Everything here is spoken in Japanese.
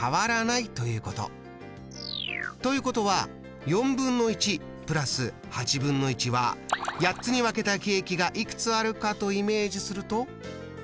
ということは＋は８つに分けたケーキがいくつあるかとイメージすると。